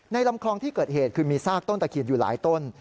ลำคลองที่เกิดเหตุคือมีซากต้นตะเคียนอยู่หลายต้น